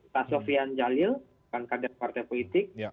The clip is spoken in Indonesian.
pak sofian jalil bukan kader partai politik